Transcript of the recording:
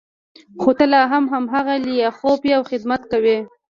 خو ته لا هم هماغه لیاخوف یې او خدمت کوې